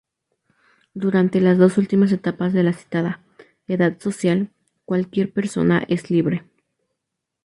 Durante las dos últimas etapas de la citada edad-social, cualquier persona es libre.